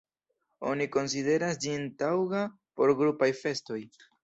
Oni konsideras ĝin taŭga por grupaj festoj.